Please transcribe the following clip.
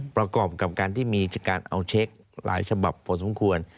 ประกอบกับการที่มีการเอาเช็คหลายฉบับพอสมควร